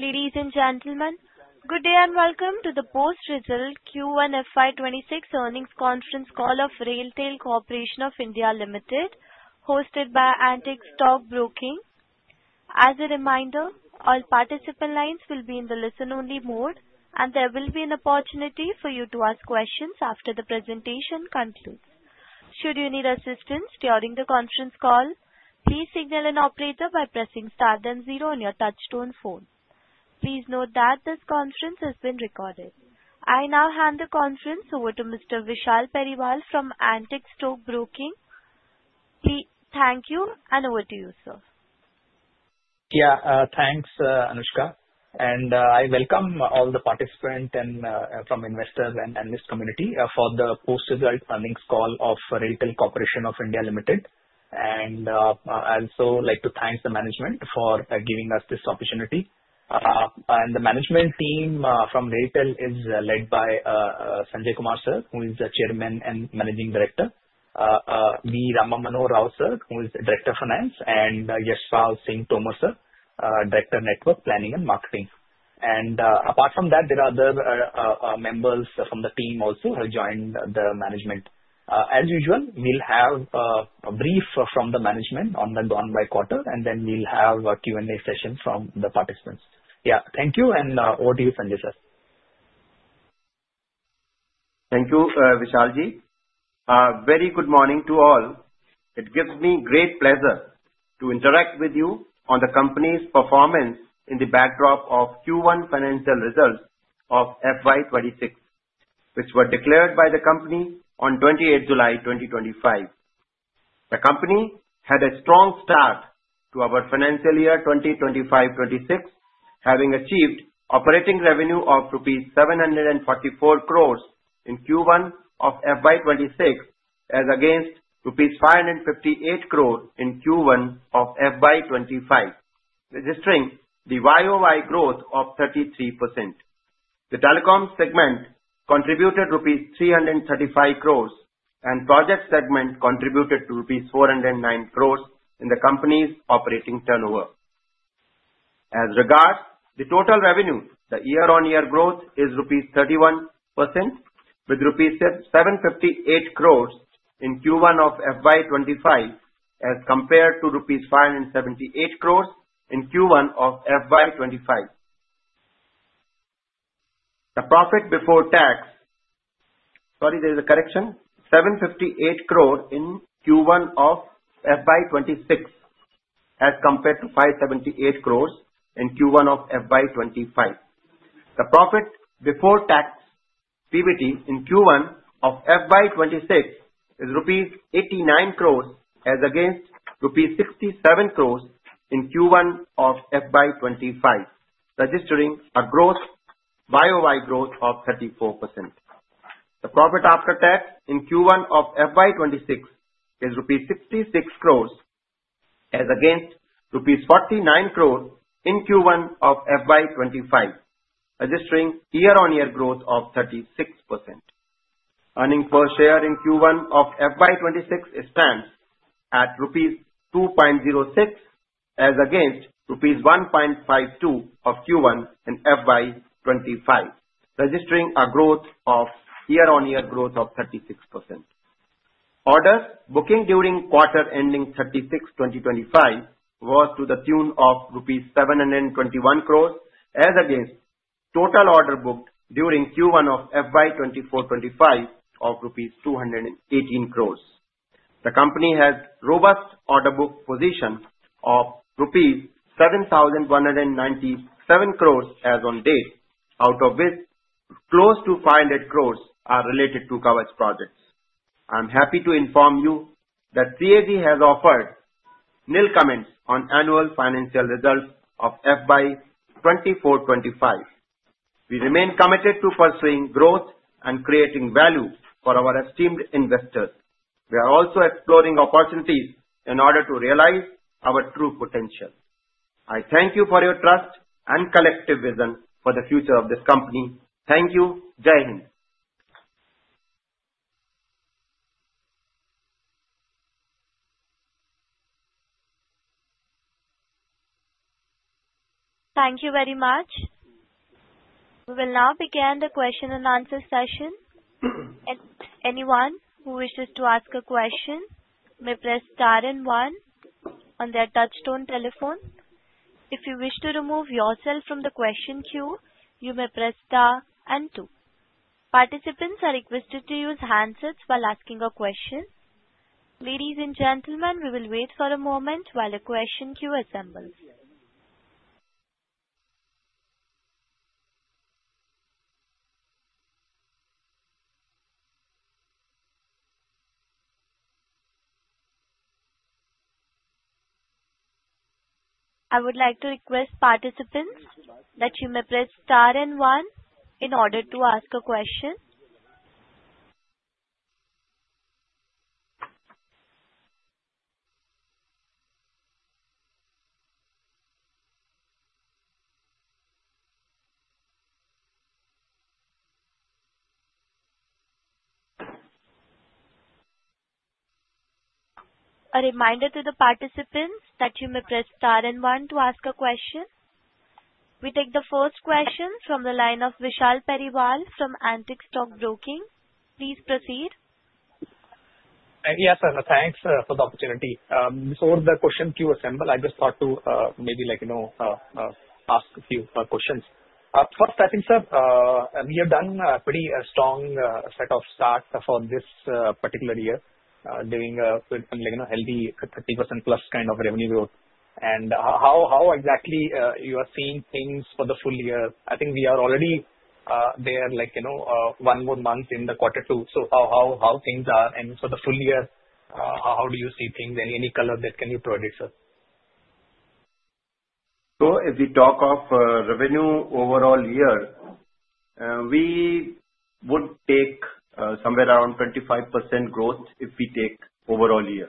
Ladies and gentlemen, good day and welcome to the Post Result Q1 FY 2026 Earnings Conference call of RailTel Corporation of India Limited, hosted by Antique Stock Broking. As a reminder, all participant lines will be in the listen-only mode, and there will be an opportunity for you to ask questions after the presentation concludes. Should you need assistance during the conference call, please signal an operator by pressing star then zero on your touch-tone phone. Please note that this conference has been recorded. I now hand the conference over to Mr. Vishal Periwal from Antique Stock Broking. Please thank you and over to you, sir. Yeah, thanks, Anushka. I welcome all the participants and from investors and this community for the Post Result Earnings call of RailTel Corporation of India Limited. I'd also like to thank the management for giving us this opportunity. The management team from RailTel is led by Sanjai Kumar, sir, who is the Chairman and Managing Director. V. Rama Manohara Rao, sir, who is the Director of Finance, and Yashpal Singh Tomar, sir, Director of Network Planning and Marketing. Apart from that, there are other members from the team also who have joined the management. As usual, we'll have a brief from the management on the bygone quarter, and then we'll have a Q&A session from the participants. Yeah, thank you, and over to you, Sanjai, sir. Thank you, Vishal. Very good morning to all. It gives me great pleasure to interact with you on the company's performance in the backdrop of Q1 financial results of FY 2026, which were declared by the company on 28 July 2025. The company had a strong start to our financial year 2025-2026, having achieved operating revenue of rupees 744 crores in Q1 of FY 2026, as against rupees 558 crores in Q1 of FY 2025, registering the YOY growth of 33%. The telecom segment contributed rupees 335 crores, and project segment contributed to rupees 409 crores in the company's operating turnover. As regards the total revenue, the year-on-year growth is INR 31%, with rupees 758 crores in Q1 of FY 2025, as compared to rupees 578 crores in Q1 of FY 2025. The profit before tax - sorry, there's a correction - 758 crores in Q1 of FY 2026, as compared to 578 crores in Q1 of FY 2025. The profit before tax PBT in Q1 of FY 2026 is rupees 89 crores, as against rupees 67 crores in Q1 of FY 2025, registering a gross YOY growth of 34%. The profit after tax in Q1 of FY 2026 is rupees 66 crores, as against rupees 49 crores in Q1 of FY 2025, registering year-on-year growth of 36%. Earnings per share in Q1 of FY 2026 stands at rupees 2.06, as against rupees 1.52 of Q1 in FY 2025, registering a year-on-year growth of 36%. Order booking during quarter ending June 2025 was to the tune of rupees 721 crores, as against total order booked during Q1 of FY 2024/2025 of rupees 218 crores. The company has a robust order book position of rupees 7,197 crores as of date, out of which close to 500 crores are related to Kavach projects. I'm happy to inform you that CAG has offered nil comments on annual financial results of FY 2024/2025. We remain committed to pursuing growth and creating value for our esteemed investors. We are also exploring opportunities in order to realize our true potential. I thank you for your trust and collective vision for the future of this company. Thank you. Jai Hind. Thank you very much. We will now begin the question and answer session. Anyone who wishes to ask a question may press star and one on their touch-tone telephone. If you wish to remove yourself from the question queue, you may press star and two. Participants are requested to use handsets while asking a question. Ladies and gentlemen, we will wait for a moment while the question queue assembles. I would like to request participants that you may press star and one in order to ask a question. A reminder to the participants that you may press star and one to ask a question. We take the first question from the line of Vishal Periwal from Antique Stock Broking. Please proceed. Yes, and thanks for the opportunity. Before the question queue assembles, I just thought to maybe ask a few questions. First, I think, sir, we have done a pretty strong set of stats for this particular year, doing a healthy 30% plus kind of revenue growth. And how exactly you are seeing things for the full year? I think we are already there one more month in the quarter two. So how things are? And for the full year, how do you see things? Any color that can you provide, sir? So if we talk of revenue overall year, we would take somewhere around 25% growth if we take overall year.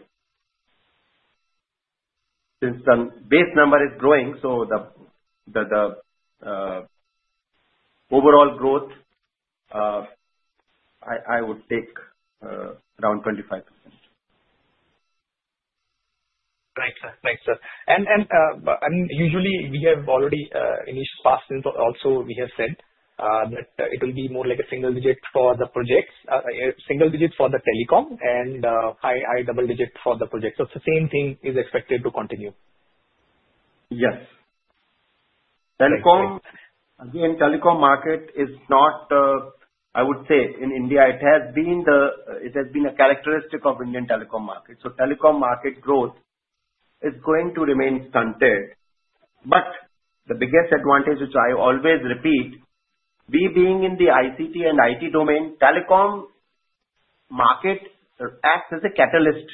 Since the base number is growing, so the overall growth, I would take around 25%. Right, sir. Thanks, sir. And usually, we have already in this past also we have said that it will be more like a single digit for the projects, single digit for the telecom, and high double digit for the projects. So it's the same thing is expected to continue. Yes. Telecom, the telecom market is not, I would say, in India. It has been a characteristic of the Indian telecom market. So telecom market growth is going to remain stunted. But the biggest advantage, which I always repeat, we being in the ICT and IT domain, telecom market acts as a catalyst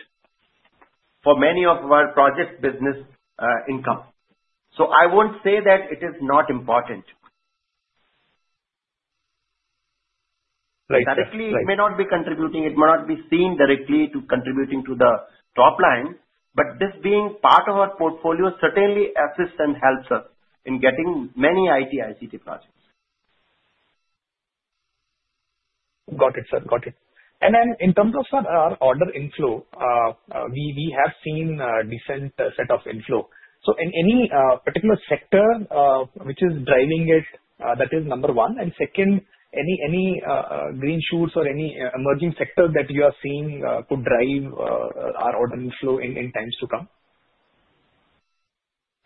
for many of our project business income. So I won't say that it is not important. It may not be contributing. It may not be seen directly to contributing to the top line. But this being part of our portfolio certainly assists and helps us in getting many IT, ICT projects. Got it, sir. Got it. And then in terms of our order inflow, we have seen a decent set of inflow. So in any particular sector, which is driving it, that is number one. And second, any green shoots or any emerging sector that you are seeing could drive our order inflow in times to come?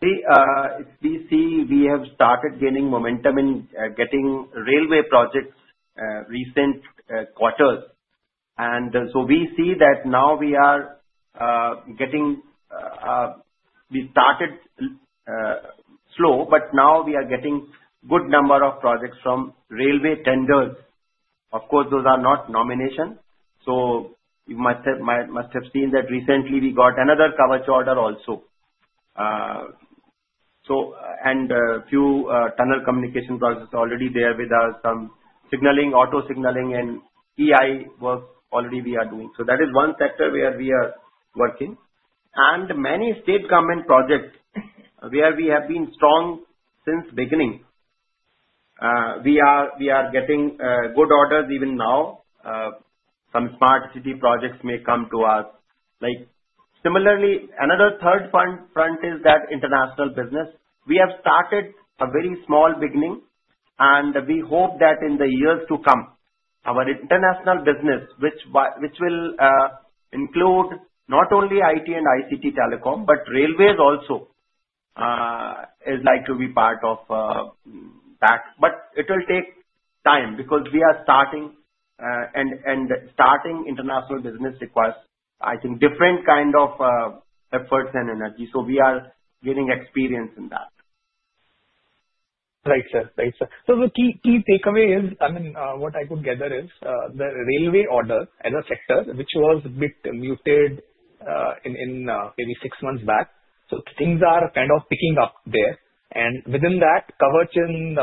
We see we have started gaining momentum in getting railway projects in recent quarters, and so we see that now we are getting, we started slow, but now we are getting a good number of projects from railway tenders. Of course, those are not nominations, so you must have seen that recently we got another Kavach order also. A few Tunnel Communication projects already there with us, some signaling, Auto Signaling, and EI work already we are doing. That is one sector where we are working, and many state government projects where we have been strong since beginning. We are getting good orders even now. Some smart city projects may come to us. Similarly, another third front is that international business. We have started a very small beginning, and we hope that in the years to come, our international business, which will include not only IT and ICT telecom, but railways also, is likely to be part of that. But it will take time because we are starting, and starting international business requires, I think, different kind of efforts and energy. So we are getting experience in that. Right, sir. Right, sir, so the key takeaway is, I mean, what I could gather is the railway order as a sector, which was a bit muted maybe six months back, so things are kind of picking up there, and within that, Kavach and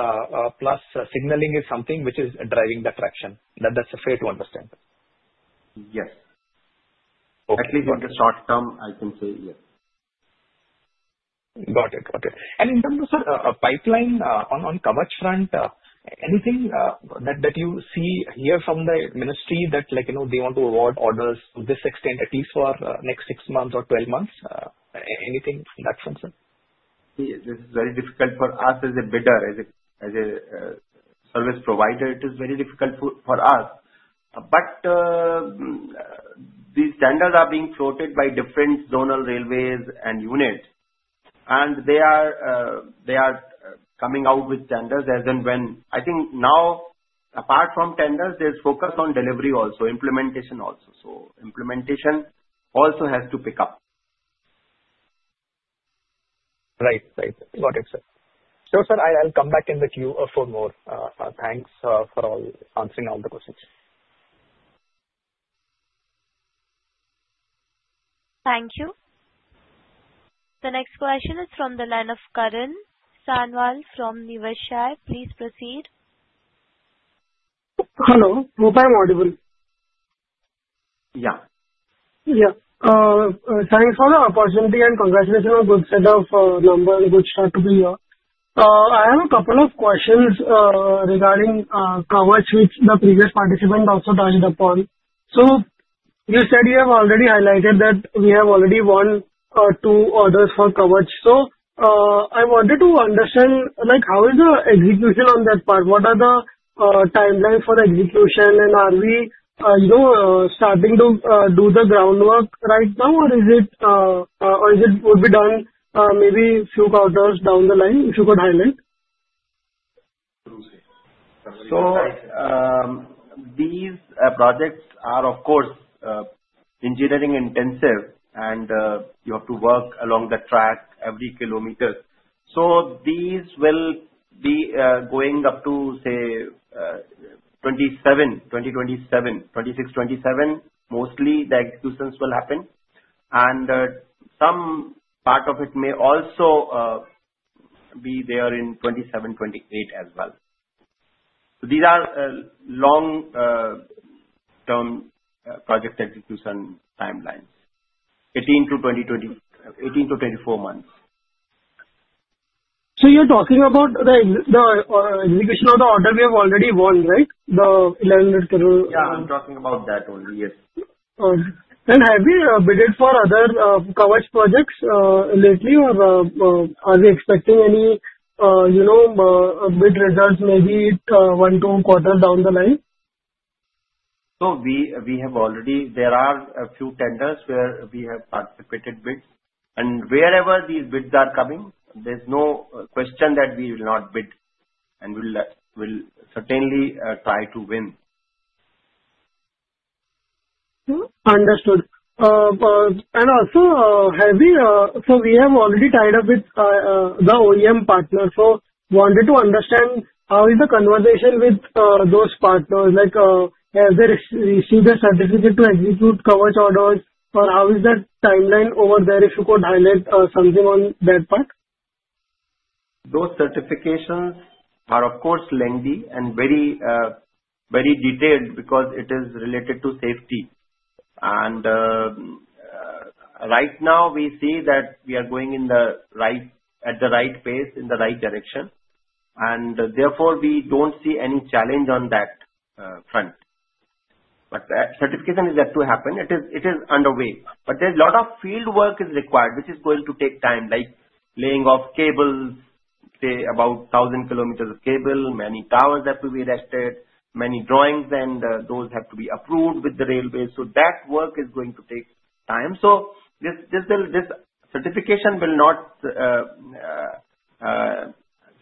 plus signaling is something which is driving the traction. That's fair to understand. Yes. At least in the short term, I can say yes. Got it. Got it. In terms of, sir, pipeline on Kavach front, anything that you see here from the ministry that they want to award orders to this extent, at least for next six months or 12 months? Anything in that sense, sir? This is very difficult for us as a bidder, as a service provider. It is very difficult for us, but these tenders are being floated by different zonal railways and units, and they are coming out with tenders as and when. I think now, apart from tenders, there's focus on delivery also, implementation also, so implementation also has to pick up. Right. Right. Got it, sir. So, sir, I'll come back in the queue for more. Thanks for answering all the questions. Thank you. The next question is from the line of Karan Sanwal from Niveshaay. Please proceed. Hello. Mobile Audible. Yeah. Yeah. Thanks for the opportunity and congratulations on a good set of numbers and good start to be here. I have a couple of questions regarding Kavach, which the previous participant also touched upon. So you said you have already highlighted that we have already won two orders for Kavach. So I wanted to understand how is the execution on that part? What are the timelines for the execution? And are we starting to do the groundwork right now, or is it would be done maybe a few quarters down the line if you could highlight? These projects are, of course, engineering-intensive, and you have to work along the track every kilometer. These will be going up to, say, 2027, 2027, 2026, 2027. Mostly the executions will happen. Some part of it may also be there in 2027, 2028 as well. These are long-term project execution timelines, 18 to 24 months. So you're talking about the execution of the order we have already won, right? The 1,100 crore. Yeah, I'm talking about that only, yes. Have we bid for other Kavach projects lately, or are we expecting any bid results maybe one to two quarters down the line? So we have already. There are a few tenders where we have participated bids. And wherever these bids are coming, there's no question that we will not bid. And we'll certainly try to win. Understood. And also, have we—so we have already tied up with the OEM partner. So I wanted to understand how is the conversation with those partners? Have they received the certificate to execute Kavach orders, or how is the timeline over there if you could highlight something on that part? Those certifications are, of course, lengthy and very detailed because it is related to safety. And right now, we see that we are going at the right pace, in the right direction. And therefore, we don't see any challenge on that front. But certification is yet to happen. It is underway. But there's a lot of field work required, which is going to take time, like laying of cables, say, about 1,000 km of cable, many towers that will be erected, many drawings, and those have to be approved with the railway. So that work is going to take time. So this certification will not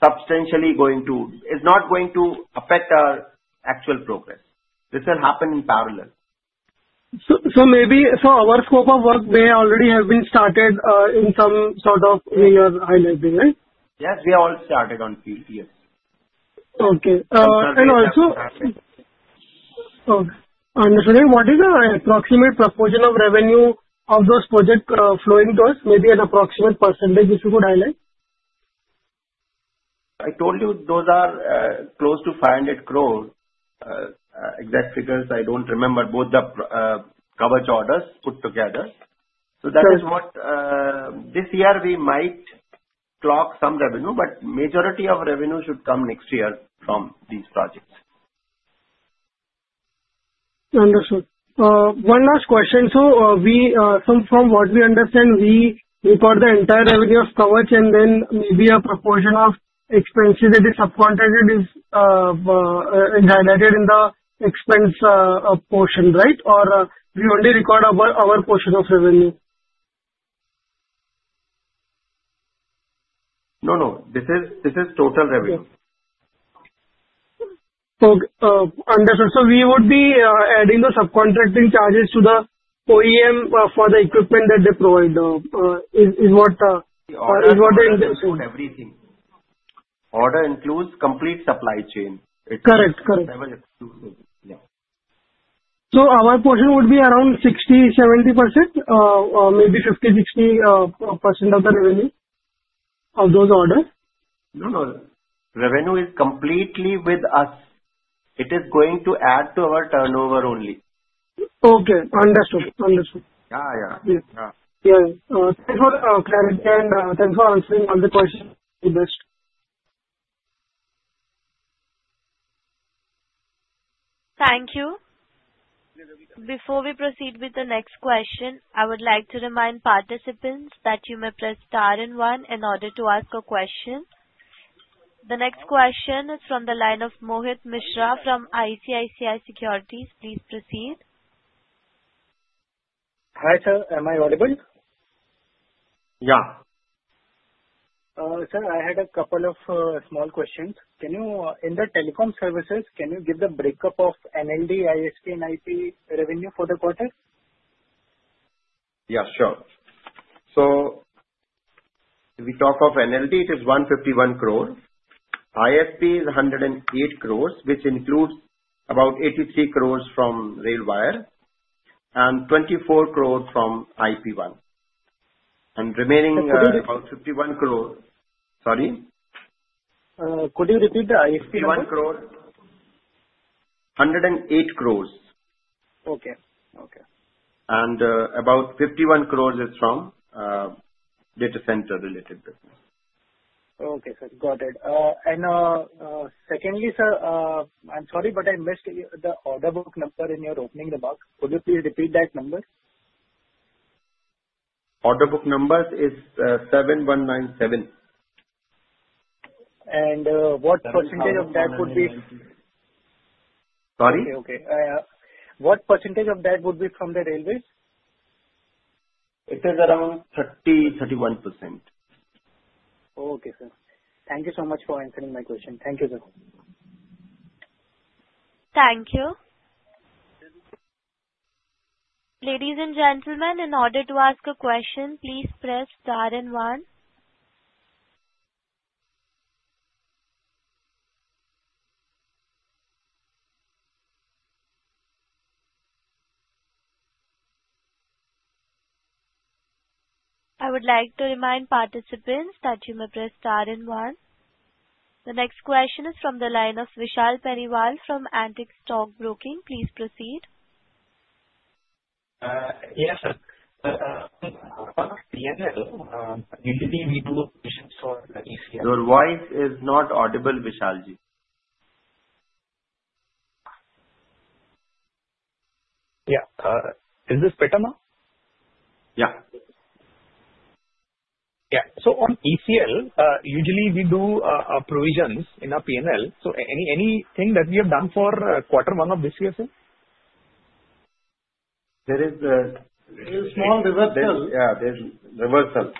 substantially go into - is not going to affect our actual progress. This will happen in parallel. So maybe our scope of work may already have been started in some sort of—you are highlighting, right? Yes, we are all started on field, yes. Okay. And also, understanding what is the approximate proportion of revenue of those projects flowing to us? Maybe an approximate percentage if you could highlight. I told you those are close to 500 crore. Exact figures, I don't remember, both the Kavach orders put together, so that is what this year we might clock some revenue, but majority of revenue should come next year from these projects. Understood. One last question. So from what we understand, we record the entire revenue of Kavach, and then maybe a proportion of expenses that is subcontracted is highlighted in the expense portion, right? Or we only record our portion of revenue? No, no. This is total revenue. Understood. So we would be adding the subcontracting charges to the OEM for the equipment that they provide. Is what the... Order includes everything. Order includes complete supply chain. Correct. Correct. So our portion would be around 60%-70%, maybe 50%-60% of the revenue of those orders? No, no. Revenue is completely with us. It is going to add to our turnover only. Okay. Understood. Understood. Yeah, yeah. Yeah. Thanks for clarity and thanks for answering all the questions. Best. Thank you. Before we proceed with the next question, I would like to remind participants that you may press star and one in order to ask a question. The next question is from the line of Mohit Mishra from ICICI Securities. Please proceed. Hi, sir. Am I audible? Yeah. Sir, I had a couple of small questions. In the telecom services, can you give the breakup of NLD, ISP, and IP revenue for the quarter? Yeah, sure. So if we talk of NLD, it is 151 crore. ISP is 108 crores, which includes about 83 crores from RailWire and 24 crores from IP-1. And remaining about 51 crores, sorry? Could you repeat the ISP, 51 crores? 108 crores. Okay. Okay. About 51 crores is from data center-related business. Okay, sir. Got it. And secondly, sir, I'm sorry, but I missed the order book number in your opening remark. Could you please repeat that number? Order book number is 7197. What percentage of that would be? Sorry? Okay. What percentage of that would be from the railways? It is around 30%-31%. Okay, sir. Thank you so much for answering my question. Thank you, sir. Thank you. Ladies and gentlemen, in order to ask a question, please press star and one. I would like to remind participants that you may press star and one. The next question is from the line of Vishal Periwal from Antique Stock Broking. Please proceed. Yes, sir. Your voice is not audible, Vishal. Yeah. Is this better now? Yeah. Yeah. So on ECL, usually we do provisions in our P&L. So anything that we have done for quarter one of this year, sir? There is A small reversal. Yeah. There's reversal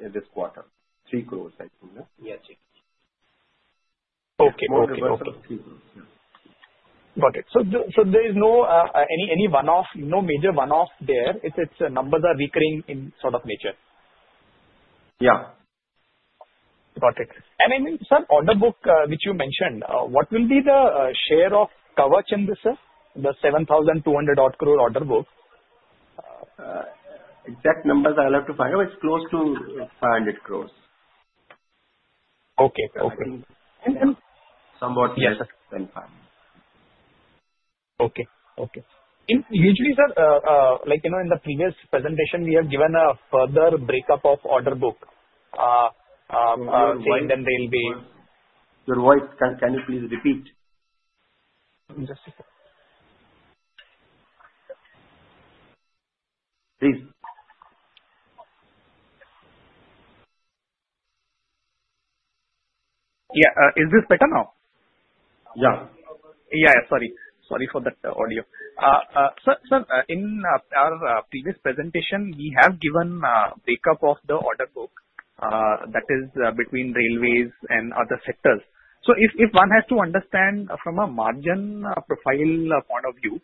in this quarter. 3 crores, I think. Yeah. Yeah. Three crores. Okay. Got it. So there is no any one-off, no major one-off there. It's numbers are recurring in sort of nature. Yeah. Got it, and I mean, sir, order book which you mentioned, what will be the share of Kavach in this, sir, the 7,200 crore order book? Exact numbers I'll have to find out. It's close to 500 crore. Okay. Okay. Somewhere closer than INR 500 crore. Okay. Usually, sir, in the previous presentation, we have given a further breakup of order book. You'll find in railway. Your voice, can you please repeat? Please. Yeah. Is this better now? Yeah. Yeah. Sorry. Sorry for that audio. Sir, in our previous presentation, we have given a breakup of the order book that is between railways and other sectors. So if one has to understand from a margin profile point of view,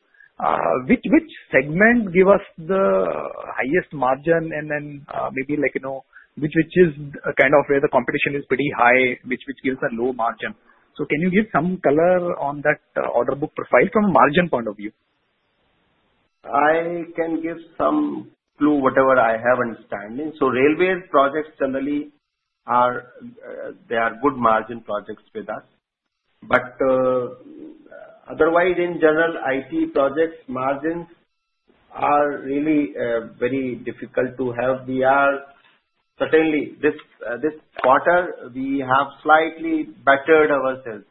which segment gives us the highest margin, and then maybe which is kind of where the competition is pretty high, which gives a low margin? So can you give some color on that order book profile from a margin point of view? I can give some clue whatever I have understanding. So railway projects generally are good margin projects with us. But otherwise, in general, IT projects' margins are really very difficult to have. Certainly, this quarter, we have slightly bettered ourselves,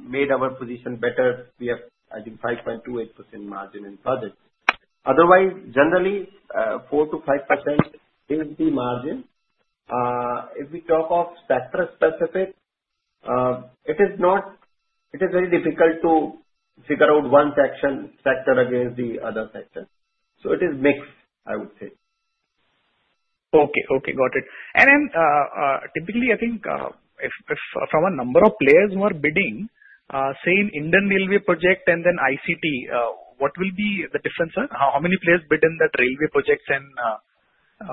made our position better. We have 5.28% margin in projects. Otherwise, generally, 4%-5% is the margin. If we talk of sector-specific, it is very difficult to figure out one sector against the other sector. So it is mixed, I would say. Okay. Okay. Got it. And then typically, I think from a number of players who are bidding, say, in Indian Railways project and then ICT, what will be the difference, sir? How many players bid in that railway projects and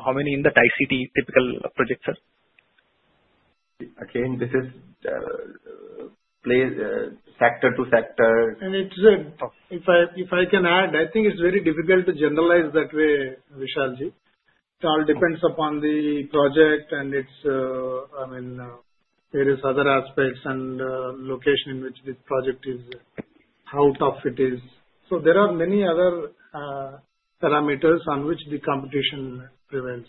how many in that ICT typical projects, sir? Again, this is sector to sector. And if I can add, I think it's very difficult to generalize that way, Vishal. It all depends upon the project and its various other aspects and location in which this project is, how tough it is. So there are many other parameters on which the competition prevails.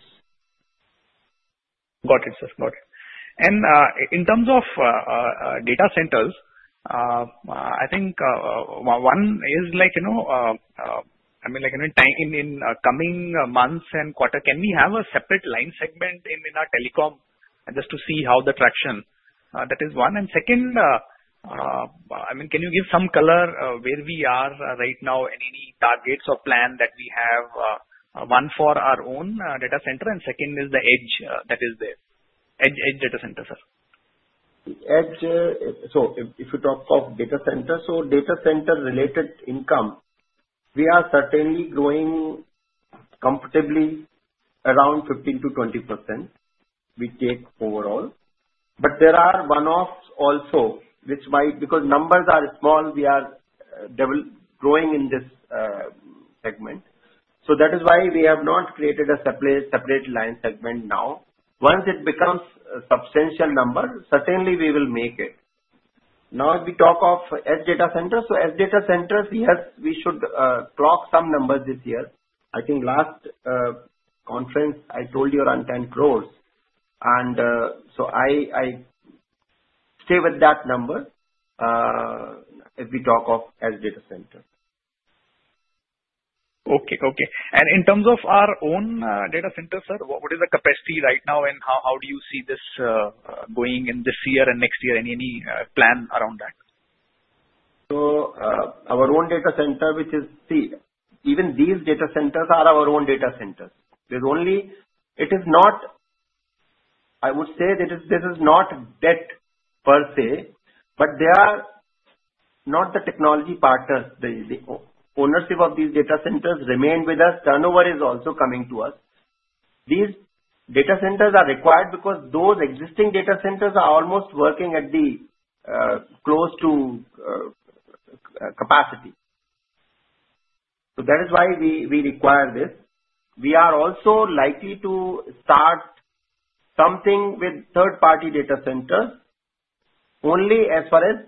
Got it, sir. Got it. And in terms of data centers, I think one is like, I mean, in coming months and quarter, can we have a separate line segment in our telecom just to see how the traction? That is one. And second, I mean, can you give some color where we are right now and any targets or plan that we have one for our own data center? And second is the edge that is there. Edge data center, sir. Edge. So if you talk of data center, so data center-related income, we are certainly growing comfortably around 15%-20% we take overall. But there are one-offs also, which is why. Because numbers are small, we are growing in this segment. So that is why we have not created a separate line segment now. Once it becomes a substantial number, certainly we will make it. Now, if we talk of edge data centers, so edge data centers, we should clock some numbers this year. I think last conference, I told you around 10 crores. And so I stay with that number if we talk of edge data center. Okay. Okay. And in terms of our own data centers, sir, what is the capacity right now, and how do you see this going in this year and next year? Any plan around that? So our own data center, which is, even these data centers are our own data centers. It is not, I would say, this is not debt per se, but they are not the technology partners. The ownership of these data centers remains with us. Turnover is also coming to us. These data centers are required because those existing data centers are almost working at close to capacity. So that is why we require this. We are also likely to start something with third-party data centers only as far as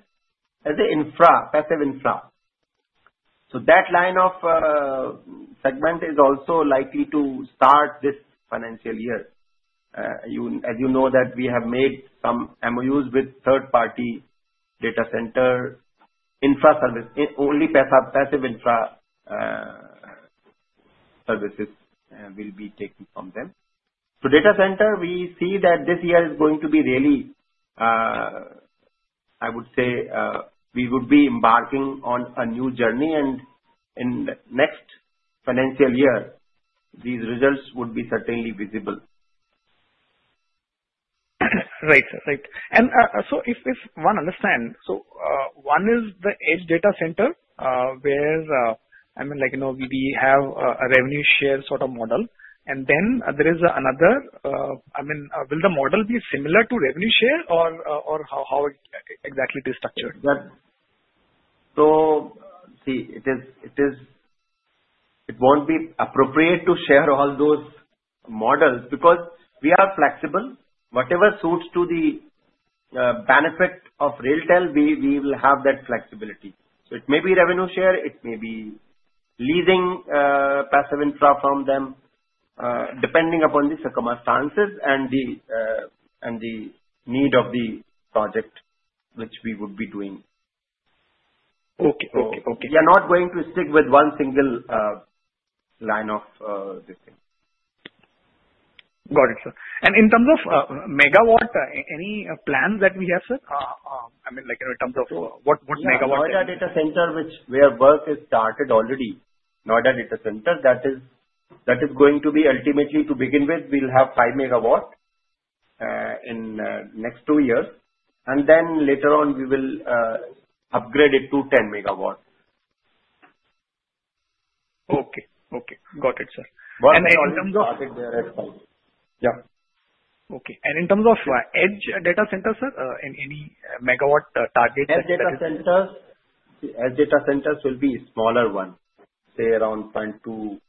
the infra, passive infra. So that line of segment is also likely to start this financial year. As you know, we have made some MOUs with third-party data center infra service. Only passive infra services will be taken from them. So data center, we see that this year is going to be really, I would say, we would be embarking on a new journey. And in the next financial year, these results would be certainly visible. Right. Right. And so if one understands, so one is the edge data center where, I mean, we have a revenue share sort of model. And then there is another, I mean, will the model be similar to revenue share or how exactly it is structured? So see, it won't be appropriate to share all those models because we are flexible. Whatever suits to the benefit of RailTel, we will have that flexibility. So it may be revenue share. It may be leasing passive infra from them, depending upon the circumstances and the need of the project which we would be doing. Okay. Okay. Okay. We are not going to stick with one single line of this thing. Got it, sir. And in terms of megawatt, any plans that we have, sir? I mean, in terms of what megawatt? The Noida data center, where work is started already, Noida data center, that is going to be ultimately to begin with, we'll have 5 megawatts in the next two years, and then later on, we will upgrade it to 10 megawatts. Okay. Okay. Got it, sir. But in terms of Yeah. Okay. And in terms of Edge Data Center, sir, any megawatt targets? Edge data centers will be smaller ones, say around 0.2 kW. 0.2 MW. Sorry.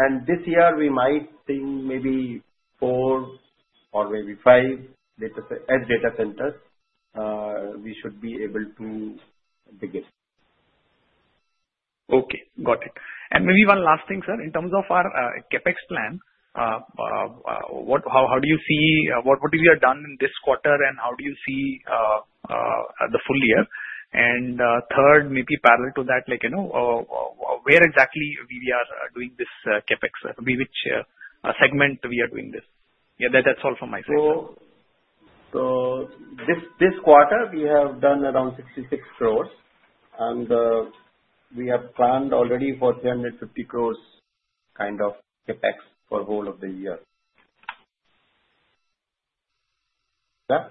And this year, we might think maybe four or maybe five edge data centers we should be able to begin. Okay. Got it. And maybe one last thing, sir. In terms of our CapEx plan, how do you see what we have done in this quarter, and how do you see the full year? And third, maybe parallel to that, where exactly we are doing this CapEx, which segment we are doing this? Yeah. That's all from my side. So this quarter, we have done around 66 crores. And we have planned already for 350 crores kind of CapEx for the whole of the year. Yeah.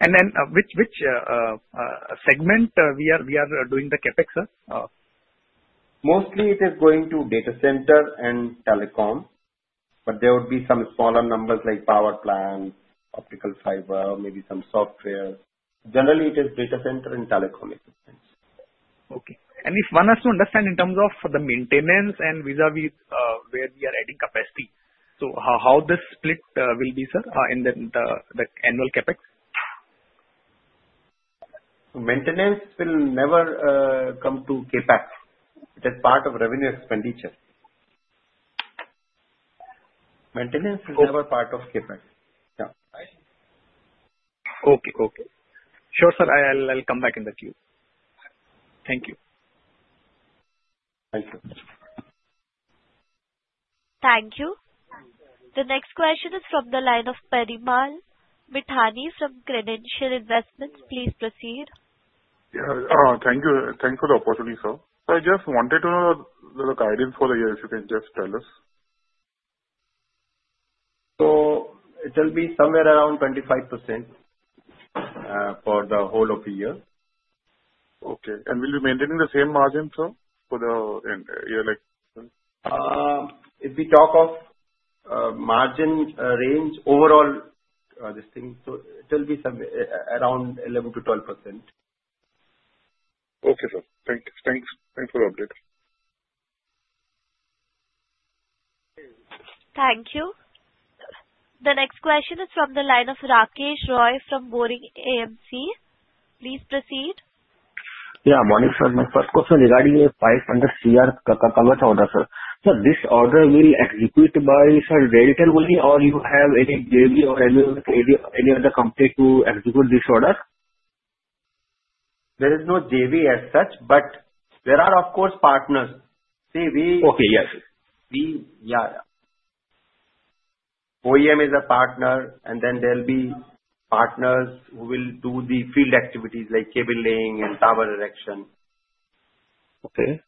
Then which segment we are doing the CapEx, sir? Mostly, it is going to data center and telecom. But there would be some smaller numbers like power plants, optical fiber, maybe some software. Generally, it is data center and telecom equipment. Okay. And if one has to understand in terms of the maintenance and vis-à-vis where we are adding capacity, so how this split will be, sir, in the annual CapEx? Maintenance will never come to CapEx. It is part of revenue expenditure. Maintenance is never part of CapEx. Yeah. Okay. Okay. Sure, sir. I'll come back in the queue. Thank you. Thank you. Thank you. The next question is from the line of Parimal Mithani from Credential Investments. Please proceed. Thank you. Thanks for the opportunity, sir. I just wanted to know the guidance for the year, if you can just tell us. It will be somewhere around 25% for the whole of the year. Okay. And will we maintain the same margin, sir, for the year? If we talk of margin range overall, this thing, so it will be around 11%-12%. Okay, sir. Thanks. Thanks for the update. Thank you. The next question is from the line of Rakesh Roy from Boring AMC. Please proceed. Yeah. Morning, sir. My first question regarding the 500 crore Kavach order, sir. Sir, this order will execute by, sir, RailTel only, or you have any JV or any other company to execute this order? There is no JV as such, but there are, of course, partners. See, we. Okay. Yes. Yeah. OEM is a partner, and then there will be partners who will do the field activities like cable laying and power erection. Okay.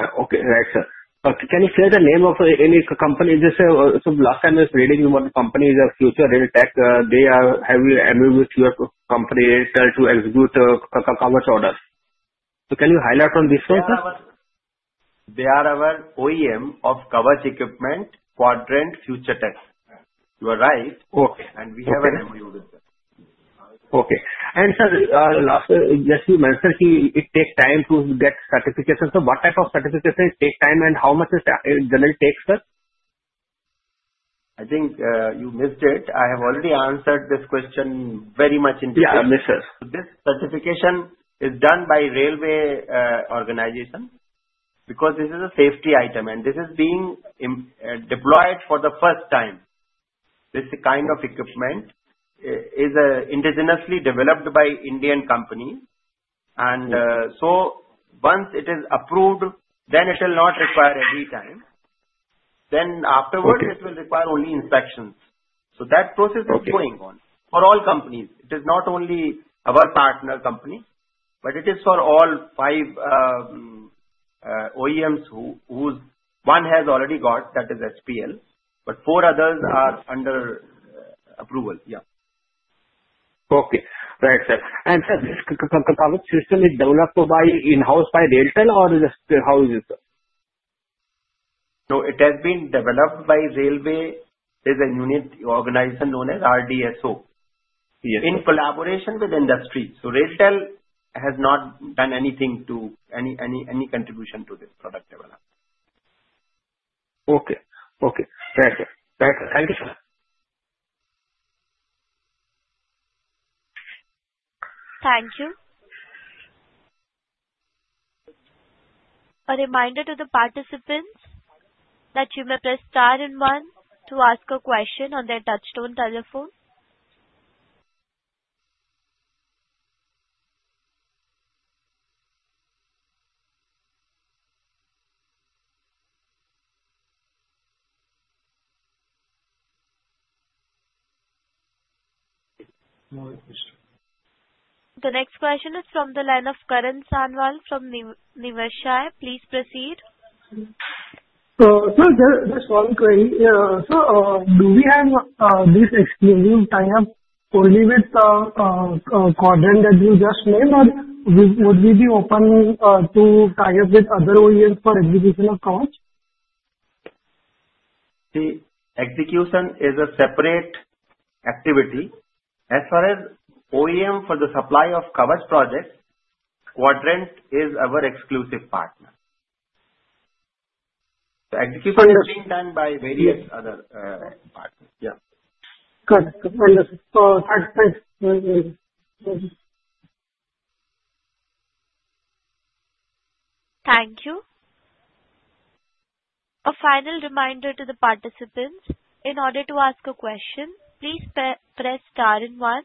Right, sir. Can you share the name of any company? Just last time I was reading one company, Quadrant Future Tek Limited, they have an MOU with your company, RailTel, to execute the Kavach orders. So can you highlight on this one, sir? They are our OEM of Kavach equipment, Quadrant Future Tek. You are right, and we have an MOU with them. Okay. And, sir, just you mentioned it takes time to get certification. So what type of certification takes time and how much it generally takes, sir? I think you missed it. I have already answered this question very much in detail. Yeah. Yes, sir. This certification is done by railway organization because this is a safety item. And this is being deployed for the first time. This kind of equipment is indigenously developed by Indian companies. And so once it is approved, then it will not require every time. Then afterwards, it will require only inspections. So that process is going on for all companies. It is not only our partner company, but it is for all five OEMs whose one has already got, that is SPL, but four others are under approval. Yeah. Okay. Right, sir. And, sir, this Kavach system is developed in-house by RailTel, or just how is it? No. It has been developed by railway. There's a unit organization known as RDSO in collaboration with industry. So RailTel has not done anything to any contribution to this product development. Okay. Okay. Right, sir. Right, sir. Thank you, sir. Thank you. A reminder to the participants that you may press star and one to ask a question on their touch-tone telephone. The next question is from the line of Karan Sanwal from Niveshaay. Please proceed. Sir, just one query. Sir, do we have this exclusive tie-up only with Quadrant that you just named, or would we be open to tie-up with other OEMs for execution of Kavach? See, execution is a separate activity. As far as OEM for the supply of Kavach projects, Quadrant is our exclusive partner. The execution is being done by various other partners. Yeah. Good. Thanks. Thank you. A final reminder to the participants. In order to ask a question, please press star and one.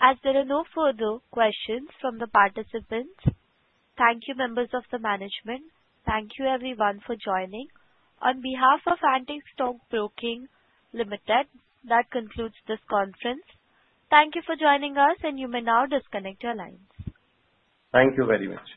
As there are no further questions from the participants, thank you, members of the management. Thank you, everyone, for joining. On behalf of Antique Stock Broking Limited, that concludes this conference. Thank you for joining us, and you may now disconnect your lines. Thank you very much.